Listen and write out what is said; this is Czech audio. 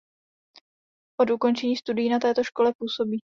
Od ukončení studií na této škole působí.